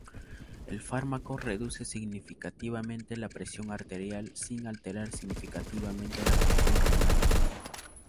El fármaco reduce significativamente la presión arterial sin alterar significativamente la función renal.